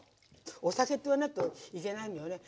お酒って言わないといけないのよね。